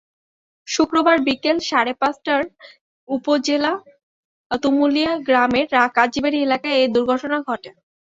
শুক্রবার বিকেল সাড়ে পাঁচটার উপজেলার তুমুলিয়া গ্রামের কাজিবাড়ি এলাকায় এ দুর্ঘটনা ঘটে।